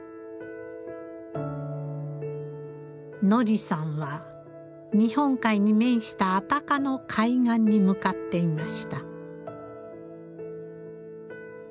乃莉さんは日本海に面した安宅の海岸に向かっていました。